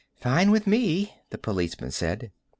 "Fine with me," the policeman said.